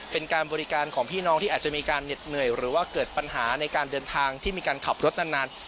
เป็นการบริการของพี่น้องที่อาจจะมีการเหน็ดเหนื่อยหรือว่าเกิดปัญหาในการเดินทางที่มีการขับรถนาน